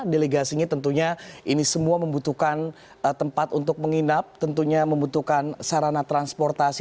delegasinya tentunya ini semua membutuhkan tempat untuk menginap tentunya membutuhkan sarana transportasi